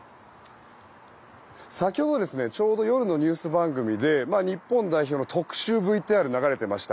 先ほどちょうど夜のニュース番組で日本代表の特集ＶＴＲが流れていました。